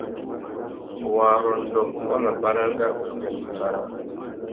Warrôndô wá mà baranga ubia mbîmbà râā.